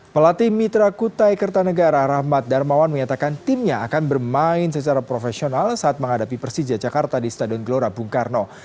pelatih mitra kutai kertanegara rahmat darmawan menyatakan timnya akan bermain secara profesional saat menghadapi persija jakarta di stadion gelora bung karno